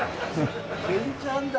純ちゃんだ。